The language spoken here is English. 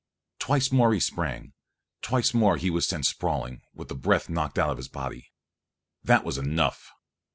Twice more he sprang, and twice more he was sent sprawling, with the breath knocked out of his body. That was enough.